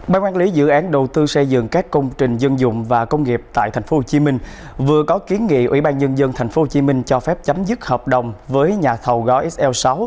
ban quản lý dự án đầu tư xây dựng các công trình dân dụng và công nghiệp tại tp hcm vừa có kiến nghị ủy ban nhân dân tp hcm cho phép chấm dứt hợp đồng với nhà thầu gói sl sáu